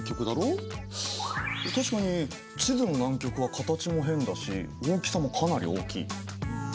確かに地図の南極は形も変だし大きさもかなり大きい。